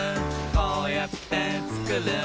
「こうやってつくる